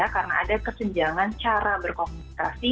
karena ada kesenjangan cara berkomunikasi